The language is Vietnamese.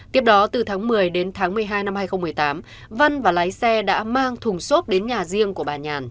tiếp đó từ tháng một mươi đến tháng một mươi hai năm hai nghìn một mươi tám văn và lái xe đã mang thùng xốp đến nhà riêng của bà nhàn